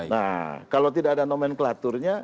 nah kalau tidak ada nomenklaturnya